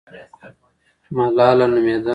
ملاله نومېده.